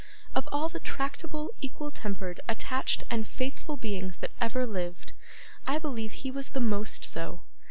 Of all the tractable, equal tempered, attached, and faithful beings that ever lived, I believe he was the most so.